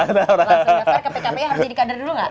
langsung daftar ke pkpi harus jadi kader dulu nggak